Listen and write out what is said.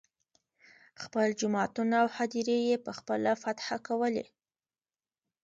خپل جوماتونه او هدیرې یې په خپله فتحه کولې.